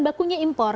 bahan bakunya impor